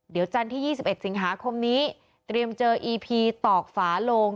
เดี๋ยวจันทร์ที่๒๑สิงหาคมนี้เตรียมเจออีพีตอกฝาโลง